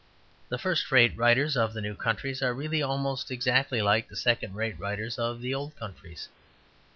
The first rate writers of the new countries are really almost exactly like the second rate writers of the old countries.